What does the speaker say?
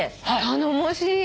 頼もしい。